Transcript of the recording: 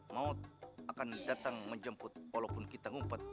maut akan datang menjemput walaupun kita ngumpet